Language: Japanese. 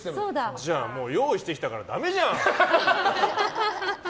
じゃあ用意してきたからダメじゃん。